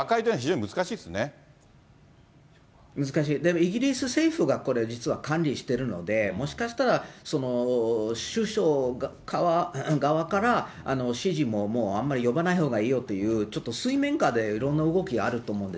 イギリス政府がこれ、管理しているので、もしかしたら、首相側からもう、あんまり呼ばないほうがいいよというちょっと水面下でいろんな動きがあると思うんです。